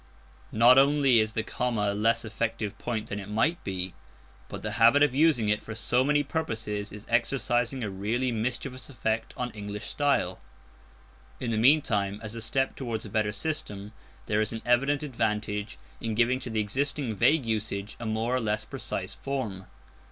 Not only is the comma a less effective point than it might be, but the habit of using it for so many purposes is exercising a really mischievous effect on English style. In the meantime, and as a step towards a better system, there is an evident advantage in giving to the existing vague usage a more or less precise form.